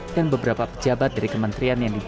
dan beberapa pejabat dari kementerian yang diduga